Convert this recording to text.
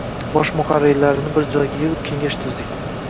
bosh muharrirlarini bir joyga yig‘ib kengash tuzdik